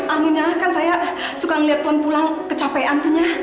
anunya kan saya suka ngeliat tuhan pulang kecapean tunya